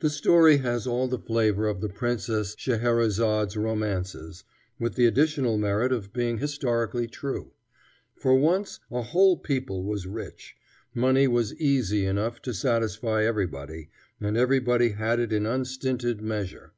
The story has all the flavor of the Princess Scheherezade's romances, with the additional merit of being historically true. For once a whole people was rich. Money was "easy" enough to satisfy everybody, and everybody had it in unstinted measure.